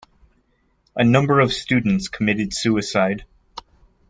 A number of students committed suicide.